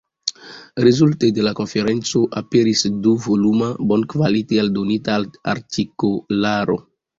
Rezulte de la konferenco aperis du-voluma bonkvalite eldonita artikolaro.